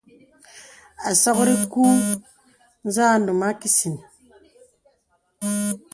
Àsɔkri kù za num a kísìn.